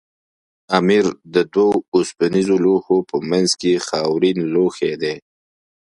امیر د دوو اوسپنیزو لوښو په منځ کې خاورین لوښی دی.